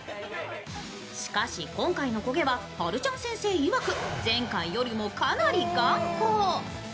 しかし、今回の焦げははるちゃん先生曰く前回より頑固。